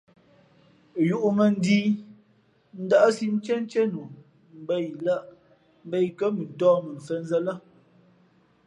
Yūʼmᾱnjíí ndάʼsí ntíéntíé nu mbα yǐ lᾱ mbα yi kά mʉntōh mα mfěnzᾱ lά.